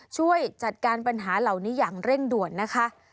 ช่วยจัดการปัญหาเหล่านี้อย่างเร่งด่วนนะคะ